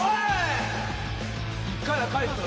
１回は返すぞ！